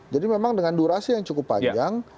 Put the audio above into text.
jadi memang dengan durasi yang cukup panjang